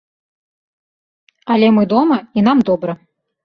Але мы дома, і нам добра.